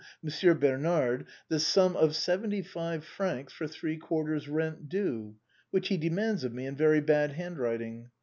Monsieur Bernard, the sum of seventy five francs for three quarters' rent due, which he demands of me in very bad handwriting.